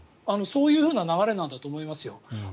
そういう流れなんだと思います。